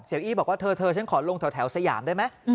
อี้บอกว่าเธอฉันขอลงแถวสยามได้ไหม